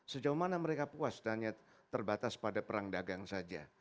sejauh mana mereka puas dan hanya terbatas pada perang dagang saja